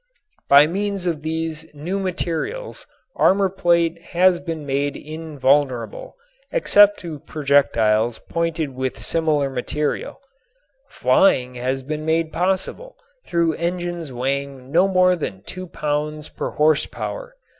By means of these new metals armor plate has been made invulnerable except to projectiles pointed with similar material. Flying has been made possible through engines weighing no more than two pounds per horse power.